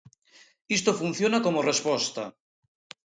Isto funciona como resposta.